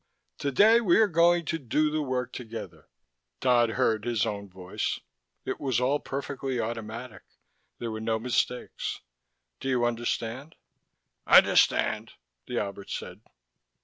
"Today we are going to do the work together." Dodd heard his own voice: it was all perfectly automatic, there were no mistakes. "Do you understand?" "Understand," the Albert said.